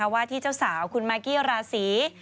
ว่าที่เจ้าสาวคุณมากกี้ราศี